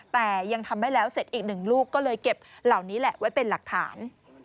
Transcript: แต่ยังทำไม่แล้วเสร็จอีกหนึ่งลูกก็เลยเก็บเหล่านี้แหละไว้เป็นหลักฐาน